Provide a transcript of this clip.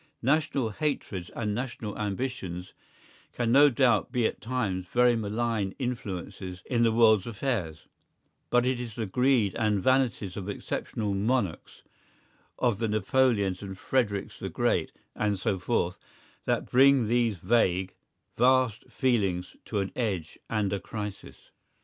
National hatreds and national ambitions can no doubt be at times very malign influences in the world's affairs, but it is the greed and vanities of exceptional monarchs, of the Napoleons and Fredericks the Great, and so forth, that bring these vague, vast feelings to an edge and a crisis.